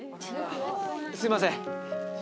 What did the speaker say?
すいません。